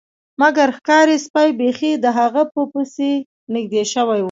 مګر ښکاري سپي بیخي د هغه په پسې نږدې شوي وو